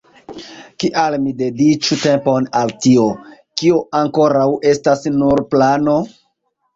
Kial mi dediĉu tempon al tio, kio ankoraŭ estas nur plano?